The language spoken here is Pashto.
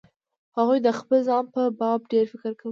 هغوی د خپل ځان په باب ډېر فکر کوي.